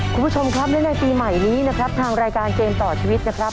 คุณผู้ชมครับและในปีใหม่นี้นะครับทางรายการเกมต่อชีวิตนะครับ